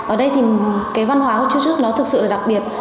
ở đây thì cái văn hóa của jujutsu nó thực sự là đặc biệt